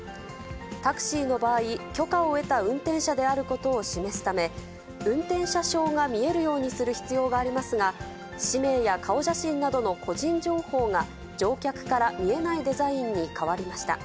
タクシーの場合、許可を得た運転者であることを示すため、運転者証が見えるようにする必要がありますが、氏名や顔写真などの個人情報が乗客から見えないデザインに変わりました。